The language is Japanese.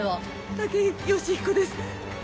武井良彦です。